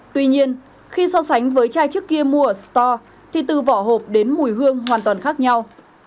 tuy nhiên khi so sánh với chai trước kia mua ở store thì từ vỏ hộp đến mùi hương hoàn toàn khác nhau